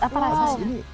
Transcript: apa rasa sih ini